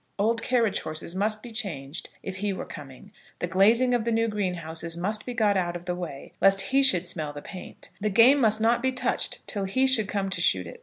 Old carriage horses must be changed if he were coming; the glazing of the new greenhouse must be got out of the way, lest he should smell the paint; the game must not be touched till he should come to shoot it.